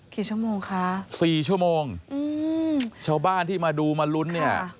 กี่ชั่วโมงคะสี่ชั่วโมงอืมชาวบ้านที่มาดูมาลุ้นเนี่ย